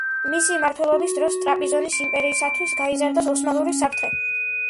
მისი მმართველობის დროს ტრაპიზონის იმპერიისათვის გაიზარდა ოსმალური საფრთხე.